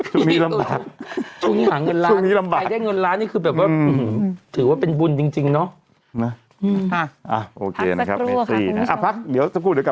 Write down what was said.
ช่วงนี้หาเงินร้านอายได้เงินร้านนี่คือแบบว่าถือว่าเป็นบุญจริงเนอะ